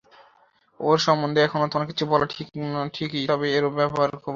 ওর সম্বন্ধে এখনো তোমায় কিছু বলিনি ঠিকই, তবে ওর ব্যবহার খুব ভালো।